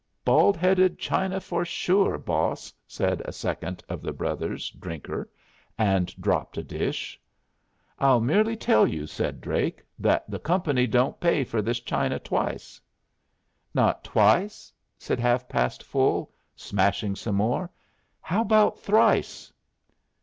"Bald headed china for sure, boss!" said a second of the brothers Drinker, and dropped a dish. "I'll merely tell you," said Drake, "that the company don't pay for this china twice." "Not twice?" said Half past Full, smashing some more. "How about thrice?"